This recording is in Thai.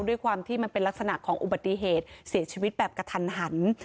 ด้วยความที่มันเป็นลักษณะของอุบัติเหตุเสียชีวิตแบบกระทันหัน